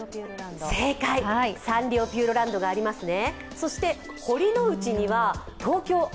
サンリオピューロランドがありますね。